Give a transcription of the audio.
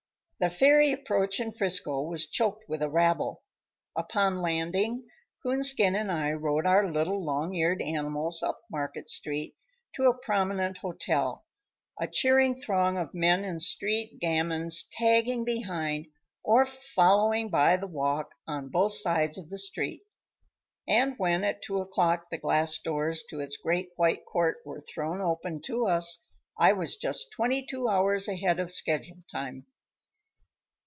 The ferry approach in 'Frisco was choked with a rabble. Upon landing Coonskin and I rode our little long eared animals up Market street to a prominent hotel, a cheering throng of men and street gamins tagging behind or following by the walk on both sides of the street. And when at two o'clock the glass doors to its great white court were thrown open to us, I was just twenty two hours ahead of schedule time.